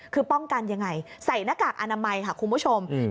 คือป้องกันยังไงใส่หน้ากากอนามัยค่ะคุณผู้ชม